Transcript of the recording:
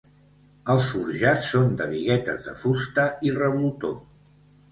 Els forjats són de biguetes de fusta i revoltó.